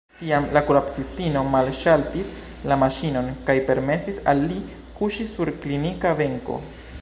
Tiam la kuracistino malŝaltis la maŝinon, kaj permesis al li kuŝi sur klinika benko.